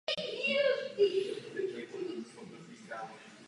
Jeho producentem byl frontman skupiny Francis Rossi.